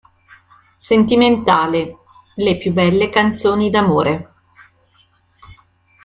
Sentimentale: le più belle canzoni d'amore...